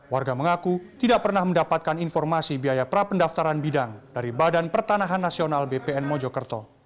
warga mengaku tidak pernah mendapatkan informasi biaya prapendaftaran bidang dari badan pertanahan nasional bpn mojokerto